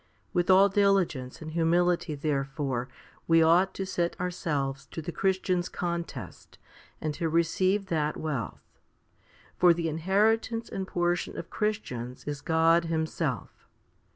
With all diligence and humility therefore we ought to set ourselves to the Christian's contest and to receive that wealth. For the inheritance and portion of Christians is God Himself.